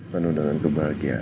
penuh dengan kebahagiaan